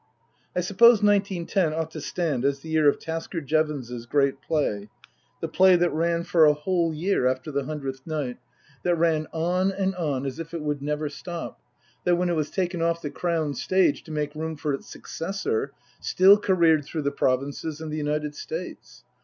I suppose nineteen ten ought to stand as the year of Tasker Jevons's great Play, the play that ran for a 186 Tasker Jevons whole year after the hundredth night, that ran on and on as if it would never stop, that, when it was taken off the Crown stage to make room for its successor, still careered through the provinces and the United States.